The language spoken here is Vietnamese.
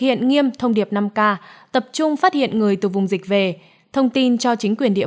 hiện nghiêm thông điệp năm k tập trung phát hiện người từ vùng dịch về thông tin cho chính quyền địa